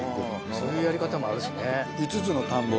そういうやり方もあるしね。